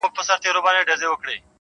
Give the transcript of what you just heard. • سرې سرې سترګي هیبتناکه کوټه سپی ؤ..